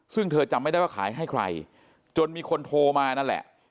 ซึ่งเธอจำไม่ได้ว่าขายให้ใครจนมีคนโทรมานั่นแหละ